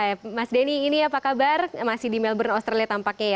baik mas denny ini apa kabar masih di melbourne australia tampaknya ya